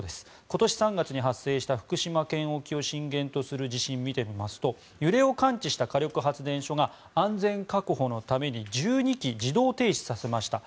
今年３月に発生した福島県沖を震源とする地震を見てみますと揺れを感知した火力発電所が安全確保のために１２基、自動停止させました。